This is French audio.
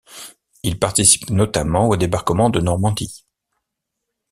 Il participe notamment au débarquement de Normandie.